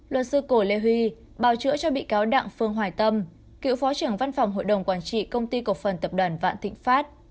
luật sư cổ lê huy bảo chữa cho bị cáo đặng phương hoài tâm cựu phó trưởng văn phòng hội đồng quản trị công ty cổ phần tập đoàn vạn thịnh pháp